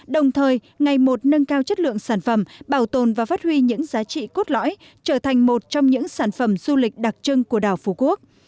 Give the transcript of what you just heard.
đồng thời ngày một nâng cao chất lượng sản phẩm bảo tồn và phát huy những giá trị cốt lõi trở thành một trong những sản phẩm du lịch đặc trưng của đảo phú quốc